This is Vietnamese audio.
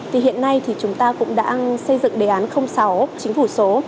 thì hiện nay thì chúng ta cũng đã xây dựng đề án sáu chính phủ số